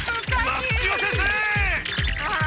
松千代先生！